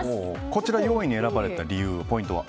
こちらを４位に選ばれた理由ポイントは？